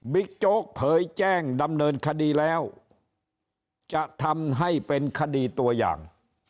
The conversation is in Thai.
โจ๊กเผยแจ้งดำเนินคดีแล้วจะทำให้เป็นคดีตัวอย่าง